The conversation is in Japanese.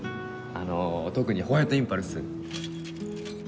あの特にホワイトインパルス。